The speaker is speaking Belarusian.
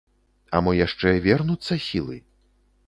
А мо яшчэ вернуцца сілы?